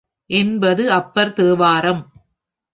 என்பது அப்பர் தேவாரம்.